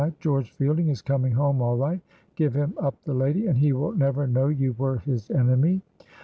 George Fielding is coming home all right. Give him up the lady, and he will never know you were his enemy."